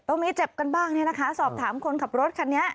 ต้องมีเจ็บกันบ้างนะคะสอบถามคนขับรถคันนี้